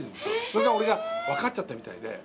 それで俺がわかっちゃったみたいで。